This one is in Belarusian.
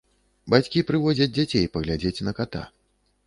Бацькі прыводзяць дзяцей паглядзець на ката.